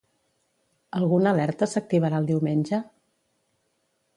Alguna alerta s'activarà el diumenge?